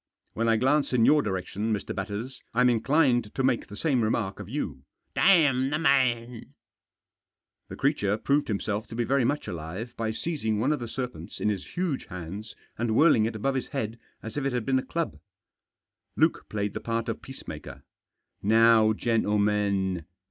"When I glance in your direction, Mr. Batters, I'm inclined to make the same remark of you." " Damn the man !" The creature proved himself to be very much alive by seizing one of the serpents in his huge hands and whirling it above his head as if it had been a club. Luke played the part of peacemaker. "Now, gentlemen!